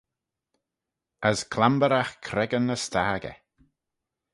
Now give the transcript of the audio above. As clambeyragh creggyn y staggey.